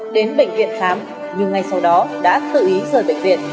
đến bệnh viện khám nhưng ngay sau đó đã tự ý rời bệnh viện